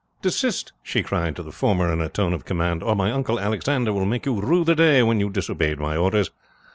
"Desist," she cried to the former in a tone of command, "or my uncle Alexander will make you rue the day when you disobeyed my orders.